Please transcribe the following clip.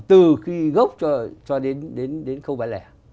từ khi gốc cho đến không bán lẻ